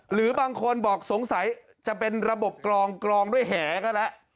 หรือบางคนบอกสงสัยจะเป็นระบบกรองกรองด้วยแหก็แล้ว